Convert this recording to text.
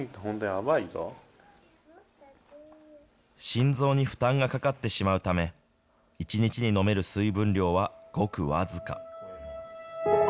心臓に負担がかかってしまうため、１日に飲める水分量はごく僅か。